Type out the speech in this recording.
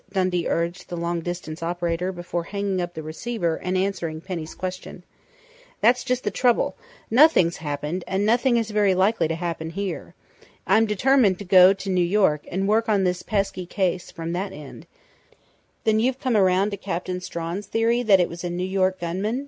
Dundee urged the long distance operator before hanging up the receiver and answering Penny's question. "That's just the trouble nothing's happened, and nothing is very likely to happen here. I'm determined to go to New York and work on this pesky case from that end " "Then you've come around to Captain Strawn's theory that it was a New York gunman?"